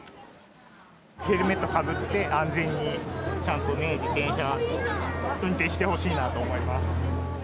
ヘルメットかぶって、安全にちゃんとね、自転車運転してほしいなと思います。